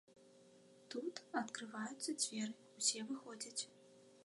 Тут адкрываюцца дзверы, усе выходзяць.